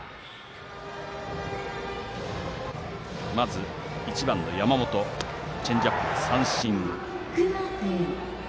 まず１番の山本をチェンジアップで三振。